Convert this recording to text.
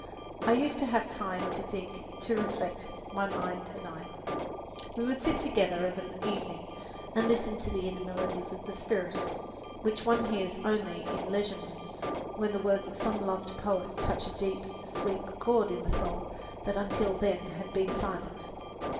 I used to have time to think, to reflect, my mind and I. We would sit together of an evening and listen to the inner melodies of the spirit, which one hears only in leisure moments when the words of some loved poet touch a deep, sweet chord in the soul that until then had been silent.